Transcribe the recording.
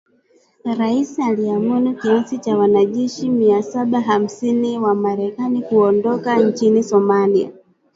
Rais aliamuru kiasi cha wanajeshi mia saba hamsini wa Marekani kuondoka nchini Somalia